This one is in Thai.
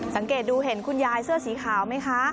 สังเกตดูเห็นคุณยายเสื้อสีขาวไหมคะ